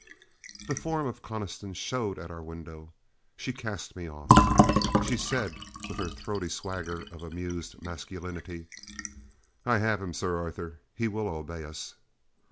The form of Coniston showed at our window. She cast me off. She said, with her throaty swagger of amused, masculinity: "I have him, Sir Arthur. He will obey us."